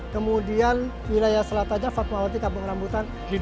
kemudian wilayah selataja fakmawati kabung rambutan di dua ribu tiga puluh dua